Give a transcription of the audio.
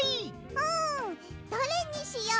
うんどれにしよう？